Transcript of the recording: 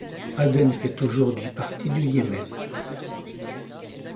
Aden fait aujourd'hui partie du Yémen.